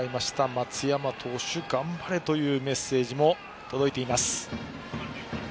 松山投手、頑張れというメッセージも届いています。